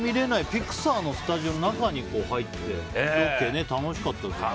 ピクサーのスタジオの中に入って楽しかったですよね。